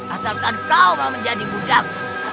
asalkan kau mau menjadi budakmu